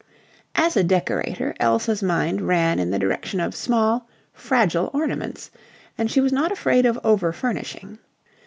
As a decorator Elsa's mind ran in the direction of small, fragile ornaments, and she was not afraid of over furnishing.